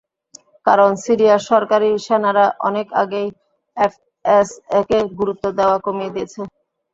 কারণ, সিরিয়ার সরকারি সেনারা অনেক আগেই এফএসএকে গুরুত্ব দেওয়া কমিয়ে দিয়েছে।